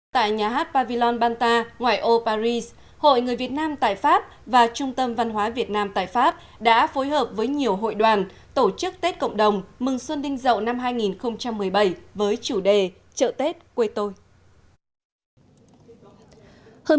tại nhà hát pavilon banta ngoại ô paris hội người việt nam tại pháp và trung tâm văn hóa việt nam tại pháp đã phối hợp với nhiều hội đoàn tổ chức tết cộng đồng mừng xuân đinh dậu năm hai nghìn một mươi bảy với chủ đề chợ tết quê tôi